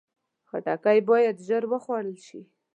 خټکی باید ژر وخوړل شي.